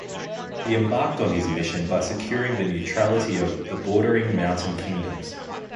He embarked on his mission by securing the neutrality of the bordering mountain kingdoms.